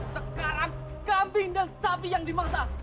sekarang kambing dan sapi yang dimasak